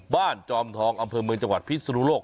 จอมทองอำเภอเมืองจังหวัดพิศนุโลก